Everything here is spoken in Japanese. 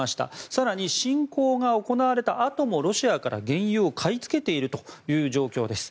更に侵攻が行われたあともロシアから原油を買いつけているという状況です。